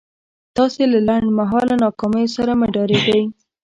تاسې له لنډ مهاله ناکاميو سره مه ډارېږئ.